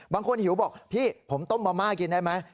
หิวบอกพี่ผมต้มมะม่ากินได้ไหม